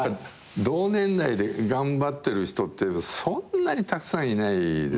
同年代で頑張ってる人ってそんなにたくさんいないですよね。